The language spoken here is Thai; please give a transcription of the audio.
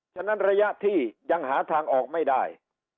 ฉะนั้นระยะที่ยังหาทางออกไม่ได้